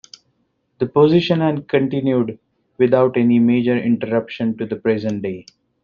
The position has continued without any major interruption to the present day.